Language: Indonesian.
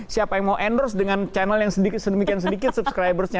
siapa yang mau endorse dengan channel yang sedemikian sedikit subscribers nya